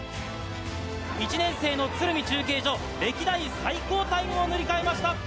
１年生の鶴見中継所、歴代最高タイムを塗り替えました。